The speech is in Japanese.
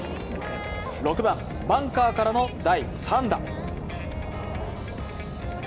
６番、バンカーからの第３打。